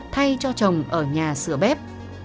thay cho chồng ở nhà sửa bếp